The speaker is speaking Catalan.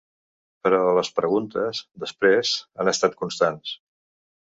Però les preguntes, després, han estat constants.